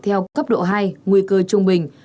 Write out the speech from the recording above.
theo cấp độ hai nguy cơ trung bình